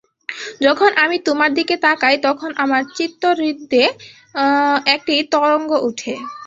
যখন আমি তোমার দিকে তাকাই, তখন আমার চিত্তহ্রদে একটি তরঙ্গ উঠে।